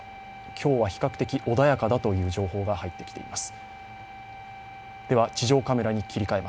今日は比較的、穏やかだという情報が入ってきています。